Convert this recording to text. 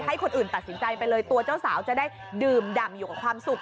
ให้คนอื่นตัดสินใจไปเลยตัวเจ้าสาวจะได้ดื่มดำอยู่กับความสุข